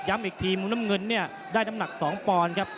ย้ำอีกทีมงน้ำเงินเนี้ยได้น้ำหนักสองปอลท์ครับ